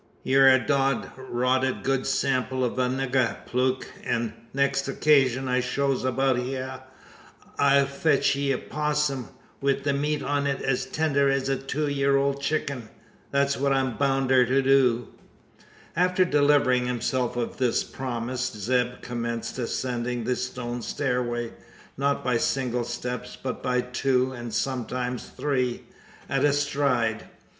"Yur a dod rotted good sample o' a nigger, Plute; an the nix occashun I shows about hyur, I'll fetch you a 'possum wi' the meat on it as tender as a two year old chicken. Thet's what I'm boun' ter do." After delivering himself of this promise, Zeb commenced ascending the stone stairway; not by single steps, but by two, and sometimes three, at a stride.